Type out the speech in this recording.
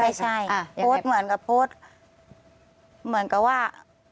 ไม่ใช่โพสต์เหมือนกับโพสต์เหมือนกับว่า